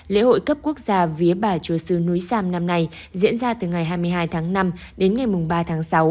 lễ hội cấp quốc gia vía bà chúa sứ núi sam năm nay diễn ra từ ngày hai mươi hai tháng năm đến ngày ba tháng sáu